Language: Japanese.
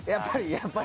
やっぱり？